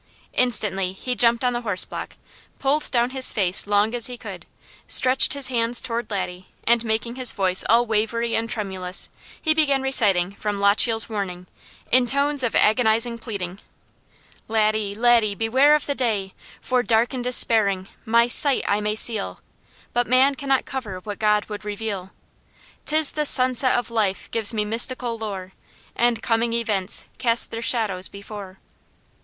Instantly he jumped on the horse block, pulled down his face long as he could, stretched his hands toward Laddie, and making his voice all wavery and tremulous, he began reciting from "Lochiel's Warning," in tones of agonizing pleading: "Laddie, Laddie, beware of the day! For, dark and despairing, my sight, I may seal, But man cannot cover what God would reveal; 'Tis the sunset of life gives me mystical lore, And coming events cast their shadows before."